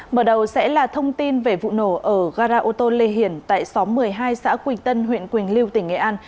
mở đầu sẽ là thông tin về vụ nổ ở gara ô tô lê hiền tại xóm một mươi hai xã quỳnh tân huyện quỳnh lưu tỉnh nghệ an